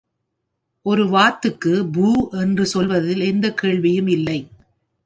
ஒரு வாத்துக்கு 'boo' என்று சொல்வதில் எந்த கேள்வியும் இல்லை.